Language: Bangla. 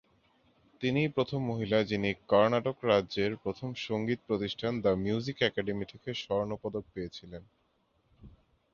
তিনিই প্রথম মহিলা যিনি কর্ণাটক রাজ্যের প্রথম সংগীত প্রতিষ্ঠান দ্য মিউজিক একাডেমি থেকে স্বর্ণপদক পেয়েছিলেন।